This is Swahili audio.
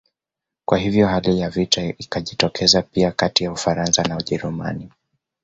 Kwa hivyo hali ya vita ikajitokeza pia kati ya Ufaransa na Ujerumani